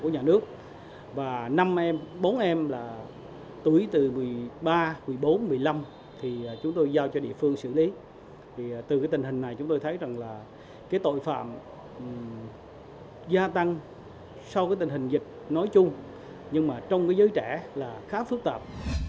nhưng mà trong cái giới trẻ là khá phức tạp